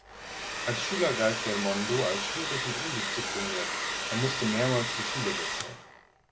Als Schüler galt Belmondo als schwierig und undiszipliniert, er musste mehrmals die Schule wechseln.